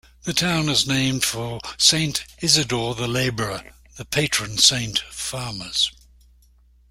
The town is named for Saint Isidore the Laborer, the patron saint of farmers.